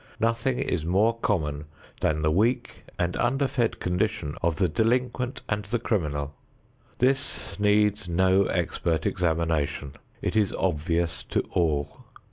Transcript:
Nothing is more common than the weak and underfed condition of the delinquent and the criminal. This needs no expert examination. It is obvious to all.